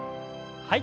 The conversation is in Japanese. はい。